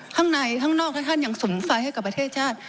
ข้างในข้างนอกถ้าท่านยังสุนไฟให้กับประเทศชาติ